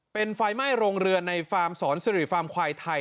เป็นไฟไหม้โรงเรือนในฟาร์มสอนสิริฟาร์มควายไทย